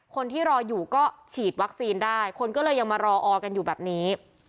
คนที่รออยู่ก็ฉีดวัคซีนได้คนก็เลยยังมารอออกันอยู่แบบนี้